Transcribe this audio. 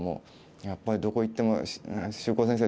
やっぱりどこ行っても秀行先生